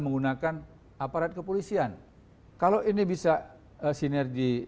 menggunakan aparat kepolisian kalau ini bisa sinergi